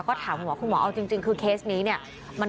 ก็ถามคุณหมอคุณหมอเอาจริงคือเคสนี้เนี่ย